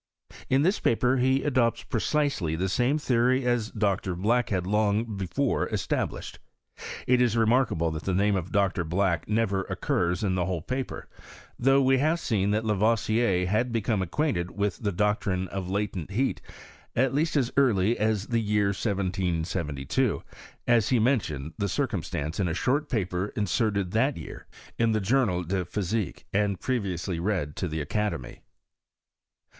In this paper he adopts precisely the same theory as Dr. Black had long before established. It is remarkable that the name of Dr. Black never occurs in the whole paper, though we have seen that Lavoisier had become acquainted with the doctrine of latent heat, at least as early as the year 1772, as he mentioned the circumstance in a short paper inserted that year in the Journal de Physique, and previously read to the academy.